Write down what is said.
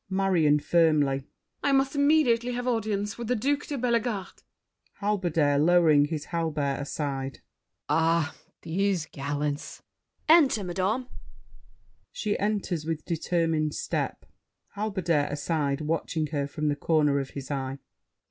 MARION (firmly). I must immediately have audience With the Duke de Bellegarde. HALBERDIER (lowering his halberd, aside). Ah, these gallants! MUSKETEER. Enter, madame. [She enters with determined step. HALBERDIER (aside, watching her from the corner of his eye).